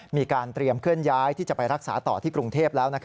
มีการเตรียมเคลื่อนย้ายที่จะไปรักษาต่อที่กรุงเทพแล้ว